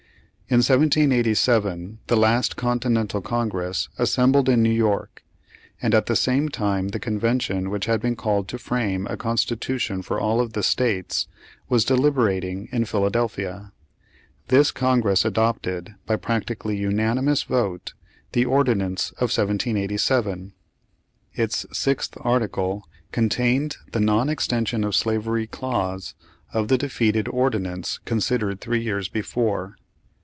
In 1787 the last Continental Congress assembled in Nev/ York, and at the same time the convention which had been called to frame a constitution for all of the states, was deliberating in Philadelphia. This Congress adopted, by practically unanimous vote, the Ordinance of 1787. Its sixth article contained the non extension of slavery clause, of the defeated ordinance considered three years be fore.